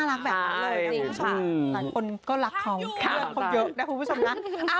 หลายคนก็รักเขา